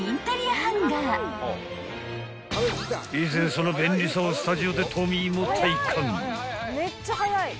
［以前その便利さをスタジオでトミーも体感］